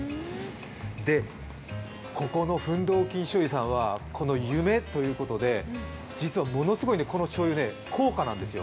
ここのフンドーキンしょうゆさんは夢ということで、実はものすごい、このしょうゆ高価なんですよ。